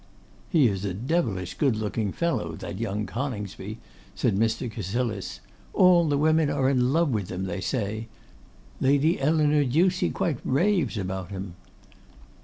'He is a devilish good looking fellow, that young Coningsby,' said Mr. Cassilis. 'All the women are in love with him, they say. Lady Eleanor Ducie quite raves about him.